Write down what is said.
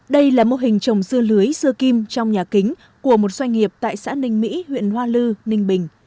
đây là mô hình trồng dưa lưới dưa kim trong nhà kính của một doanh nghiệp tại xã ninh mỹ huyện hoa lư ninh bình